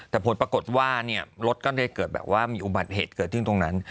แต่ผลปรากฏว่าเนี่ยรถก็ได้เกิดแบบว่ามีอุบัติเหตุเกิดขึ้นตรงนั้น